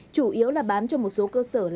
chủ yếu là bán cho một số cơ sở